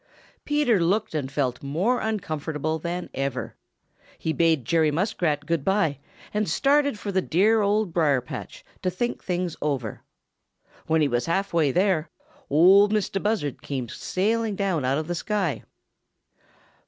Peter looked and felt more uncomfortable than ever. He bade Jerry Muskrat good by and started for the dear Old Briar patch to think things over. When he was half way there, Ol' Mistah Buzzard came sailing down out of the sky.